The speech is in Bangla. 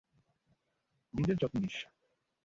নিজের যত্ন নিস।